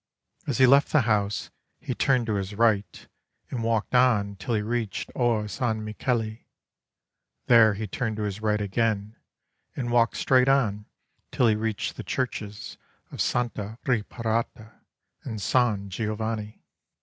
As he left the house he turned to his right and walked on till he reached Or San Michele; there he turned to his right again and walked straight on till he reached the churches of Santa Reparata and San Giovanni.